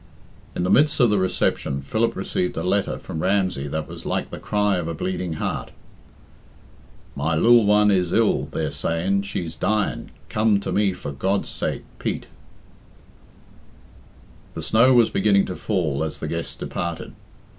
In the midst of the reception, Philip received a letter from Ramsey that was like the cry of a bleeding heart: "My lil one is ill theyr sayin shes Diein cum to me for gods. sake. Peat." The snow was beginning to fall as the guests departed.